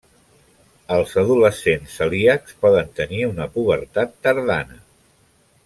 Els adolescents celíacs poden tenir una pubertat tardana.